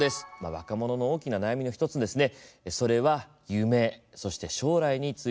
若者の大きな悩みの一つですね。